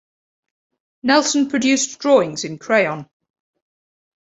Nelson produced drawings in crayon.